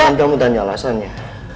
jangan kamu tanya alasannya